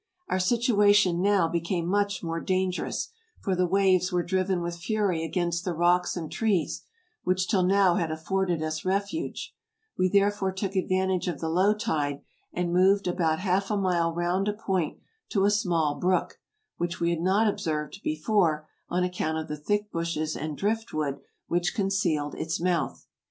Our situation now became much more dangerous, for the waves were driven with fury against the rocks and trees, which till now had afforded us refuge; we therefore took advantage of the low tide, and moved about half a mile round a point to a small brook, which we had not observed before on account of the thick bushes and driftwood which concealed its mouth.